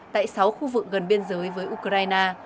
tại sáu khu vực gần biên giới với ukraine